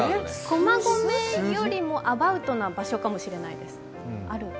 駒込よりもアバウトな場所かもしれないです。